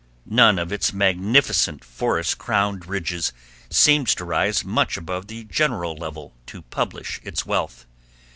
None of its magnificent forest crowned ridges seems to rise much above the general level to publish its wealth.